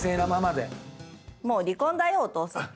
もう離婚だよお父さん。